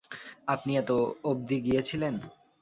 আপনি এত অব্ধি গিয়েছিলেন।